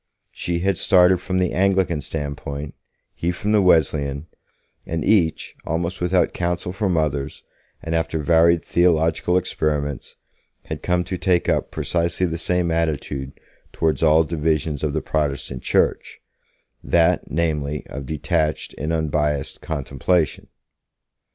She had started from the Anglican standpoint, he from the Wesleyan, and each, almost without counsel from others, and after varied theological experiments, had come to take up precisely the same attitude towards all divisions of the Protestant Church that, namely, of detached and unbiased contemplation.